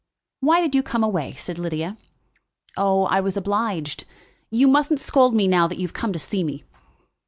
"Why did you come away?" said Lydia. "Oh, I was obliged. You mustn't scold me now that you have come to see me."